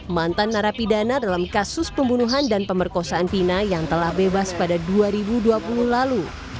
mantan narapidana dalam kasus pembunuhan dan pemerkosaan vina yang telah bebas pada dua ribu dua puluh lalu